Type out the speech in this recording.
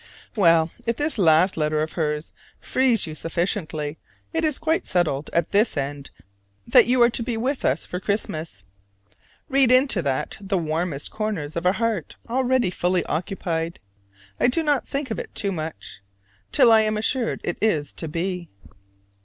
Well, if this last letter of hers frees you sufficiently, it is quite settled at this end that you are to be with us for Christmas: read into that the warmest corners of a heart already fully occupied. I do not think of it too much, till I am assured it is to be.